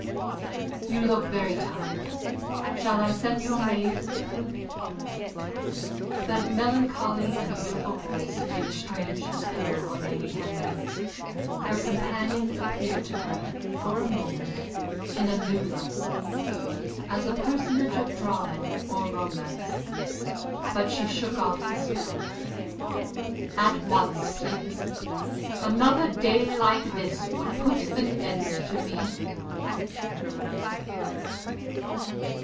"You look very tired. Shall I send your maid?" That melancholy and beautiful voice laid a strange spell on Lady Henry. Her companion appeared to her, for a moment, in a new light as a personage of drama or romance. But she shook off the spell. "At once, please. Another day like this would put an end to me."